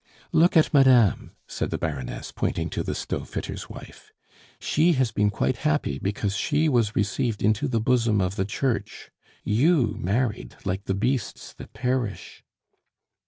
"Look at madame," said the Baroness, pointing to the stove fitter's wife, "she has been quite happy because she was received into the bosom of the Church. You married like the beasts that perish."